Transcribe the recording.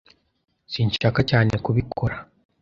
Sinshaka cyane kubikora.